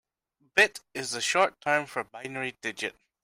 Bit is the short term for binary digit.